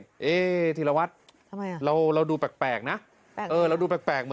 เฮ้ธีรวัตรเราดูแปลกนะเราดูแปลก